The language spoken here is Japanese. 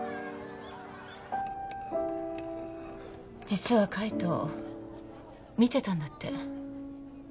実は海斗見てたんだって。